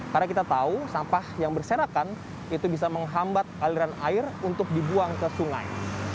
karena kita tahu sampah yang berserakan itu bisa menghambat aliran air untuk dibuang ke sungai